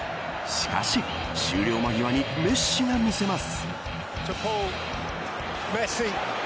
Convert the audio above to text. しかし、終了間際にメッシが見せます。